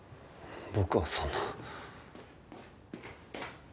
僕はそんな。